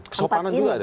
kesopanan juga ada ya